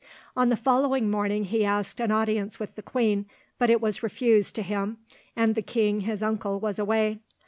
On the following morning he asked an audience with the queen, but it was refused to him, and the king, his uncle, was away.